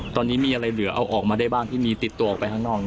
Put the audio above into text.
ตอนนี้มีอะไรเหลือเอาออกมาได้บ้างที่มีติดตัวออกไปข้างนอก